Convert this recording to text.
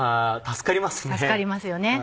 助かりますよね。